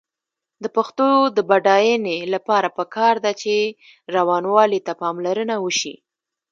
د پښتو ژبې د بډاینې لپاره پکار ده چې روانوالي ته پاملرنه وشي.